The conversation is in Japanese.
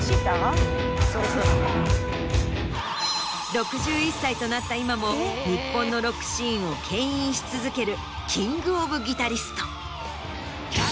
６１ 歳となった今も日本のロックシーンをけん引し続ける。